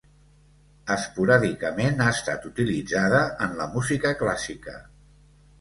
Esporàdicament ha estat utilitzada en la música clàssica.